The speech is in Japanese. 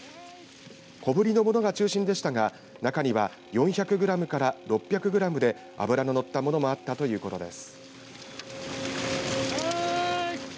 小ぶりのものが中心でしたが中には４００グラムから６００グラムで脂の乗ったものもあったということです。